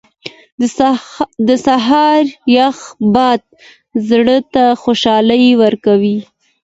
• د سهار یخ باد زړه ته خوشحالي ورکوي.